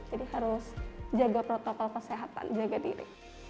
jadi harus jaga protokol kesehatan jaga diri